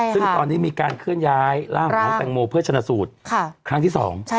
ซึ่งตอนนี้มีการเคลื่อนย้ายร่างของแตงโมเพื่อชนะสูตรครั้งที่๒